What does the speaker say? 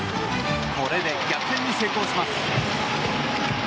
これで逆転に成功します。